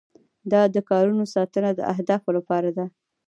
دا د کادرونو ساتنه د اهدافو لپاره ده.